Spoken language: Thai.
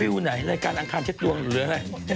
รายการอังคารเช็คดวงหนูเลย